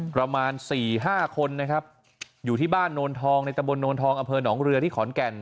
ประมาณ๔๕คนนะครับอยู่ที่บ้านนวลทองในตะบนนวลทองเพลงหนองเรือที่ขอนแก่น